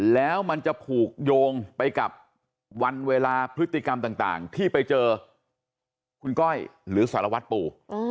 แล้วมันจะผูกโยงไปกับวันเวลาพฤติกรรมต่างที่ไปเจอคุณก้อยหรือสารวัตรปู